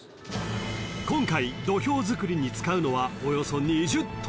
［今回土俵作りに使うのはおよそ］